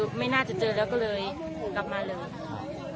พอได้ยินแล้วจะรีบกลับมาเลย